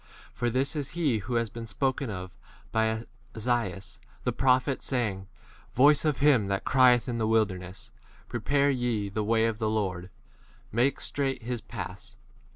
For this is he who has been spoken of by m Esaias the prophet, saying, Voice of him that crieth in the wilderness : Prepare ye the way of [the] Lord, n make straight his 4 paths.